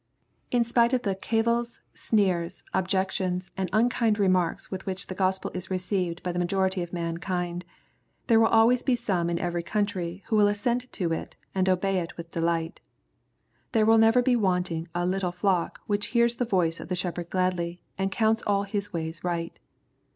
In spite of the cavils, sneers, objections, and unkind remarks with which the Gospel is received by the majority of mankind, there will always be some in every country who will assent to it, and obey it with delight. There will never be wanting a " little flock" which hears the voice of the Shepherd gladly, and counts all His ways right.